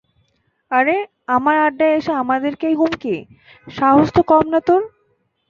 আরে, আমারে আড্ডায় এসে আমাদেরই হুমকি, সাহতো কমনা তোর।